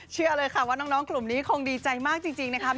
เชื่อเลยค่ะว่าน้องกลุ่มนี้คงดีใจมากจริงนะครับ